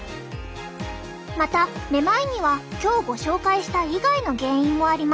まためまいには今日ご紹介した以外の原因もあります。